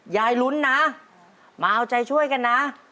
ยายลุ้นนะมาเอาใจช่วยกันนะ